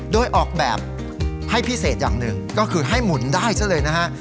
โดยออกแบบให้พิเศษอย่างหนึ่งก็คือให้หมุนได้ซะเลยนะฮะ